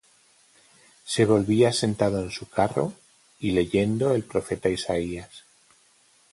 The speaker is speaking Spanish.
Se volvía sentado en su carro, y leyendo el profeta Isaías.